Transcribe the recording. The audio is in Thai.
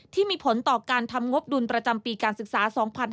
ที่มีผลต่อการทำงบดุลประจำปีการศึกษา๒๕๕๙